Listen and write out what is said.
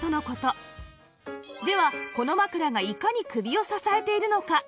ではこの枕がいかに首を支えているのか